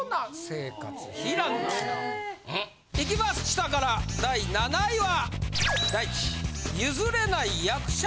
下から第７位は。